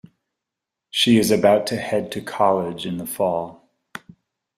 She is about to head to college in the fall.